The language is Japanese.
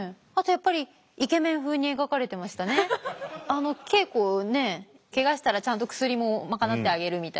あの稽古ねケガしたらちゃんと薬も賄ってあげるみたいな。